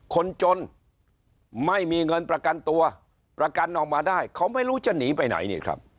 คนจนไม่มีเงินประกันตัวประกันออกมาได้เขาไม่รู้จะหนีไปไหนนี่ครับ